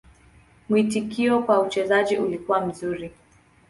Mwitikio kwa uchezaji ulikuwa mzuri.